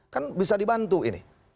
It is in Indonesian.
kan bisa dibantu ini